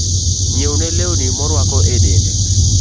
Ng'iewne lewni moruako e dende.